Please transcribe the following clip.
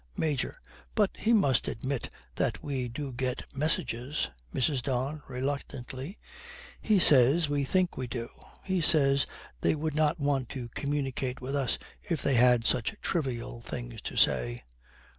MAJOR. 'But he must admit that we do get messages.' MRS. DON, reluctantly, 'He says we think we do. He says they would not want to communicate with us if they had such trivial things to say.'